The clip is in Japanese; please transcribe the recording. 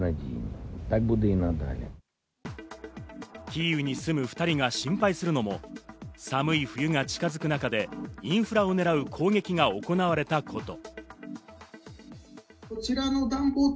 キーウに住む２人が心配するのも寒い冬が近づく中でインフラをねらう攻撃が行われたこと。